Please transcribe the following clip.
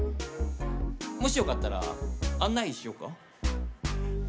もしよかったら案内しよっか？